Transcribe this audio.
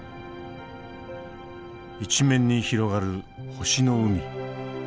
一面に広がる星の海。